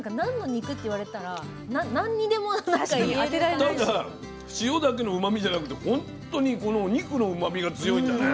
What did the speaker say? ただ塩だけのうまみじゃなくてほんとにこのお肉のうまみが強いんだね。